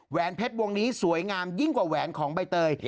เพชรวงนี้สวยงามยิ่งกว่าแหวนของใบเตย